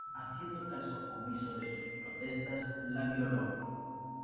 Haciendo caso omiso de sus protestas, la violó.